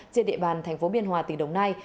trên địa bàn thành phố biên hòa tỉnh đồng nai